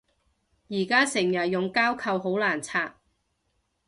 而家成日用膠扣好難拆